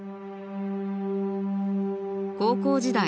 高校時代